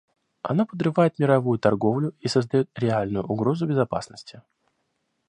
Оно подрывает мировую торговлю и создает реальную угрозу безопасности.